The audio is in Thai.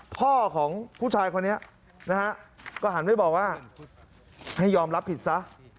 พ่อของผู้ชายคนนี้นะฮะก็หันไปบอกว่าให้ยอมรับผิดซะ